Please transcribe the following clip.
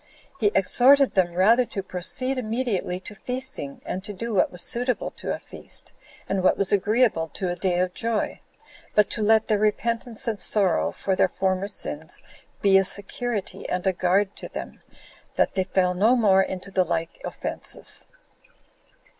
11 He exhorted them rather to proceed immediately to feasting, and to do what was suitable to a feast, and what was agreeable to a day of joy; but to let their repentance and sorrow for their former sins be a security and a guard to them, that they fell no more into the like offenses.